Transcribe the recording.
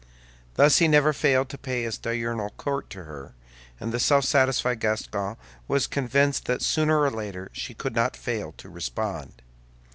Thus he never failed to pay his diurnal court to her; and the self satisfied Gascon was convinced that sooner or later she could not fail to respond.